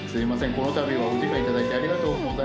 このたびはお時間頂いてありがとうございます。